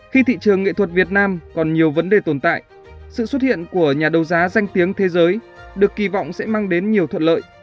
khi thị trường nghệ thuật việt nam còn nhiều vấn đề tồn tại sự xuất hiện của nhà đấu giá danh tiếng thế giới được kỳ vọng sẽ mang đến nhiều thuận lợi